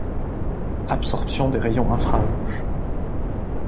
Absorption des rayons infrarouges.